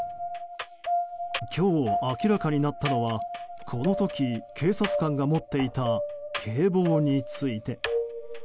今日明らかになったのはこの時、警察官が持っていた警棒について。